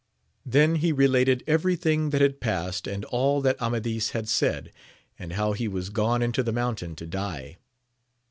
Then he related every thing that had passed, and all that Amadis had said, and how he was gone into the mountain to die.